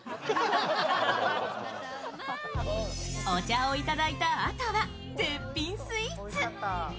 お茶をいただいたあとは絶品スイーツ。